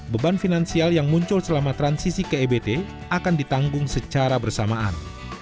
beban finansial yang muncul selama transisi ke ebt akan ditanggung secara bersamaan